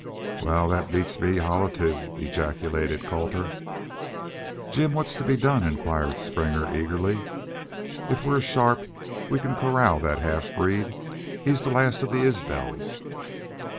"Wal! ... that beats me holler, too," ejaculated Colter. "Jim, what's to be done?" inquired Springer, eagerly. "If we're sharp we can corral that half breed. He's the last of the Isbels."